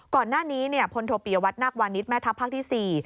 ก่อนหน้านี้พลโทปิยวัตนักวานิสแม่ทัพภาคที่๔